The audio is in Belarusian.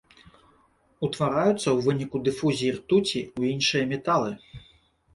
Утвараюцца ў выніку дыфузіі ртуці ў іншыя металы.